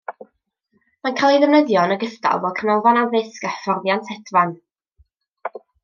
Mae'n cael ei ddefnyddio yn ogystal fel canolfan addysg a hyfforddiant hedfan.